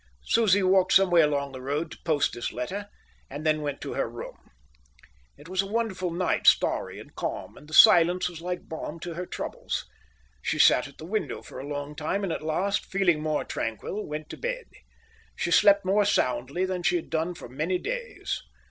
Susie walked some way along the road to post this letter and then went to her room. It was a wonderful night, starry and calm, and the silence was like balm to her troubles. She sat at the window for a long time, and at last, feeling more tranquil, went to bed. She slept more soundly than she had done for many days.